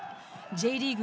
Ｊリーグ